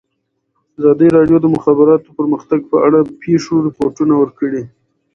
ازادي راډیو د د مخابراتو پرمختګ په اړه د پېښو رپوټونه ورکړي.